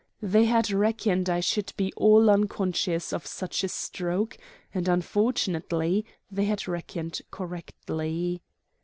They had reckoned I should be all unconscious of such a stroke, and unfortunately they had reckoned correctly.